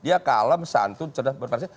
dia kalem santun cerdas berparsisasi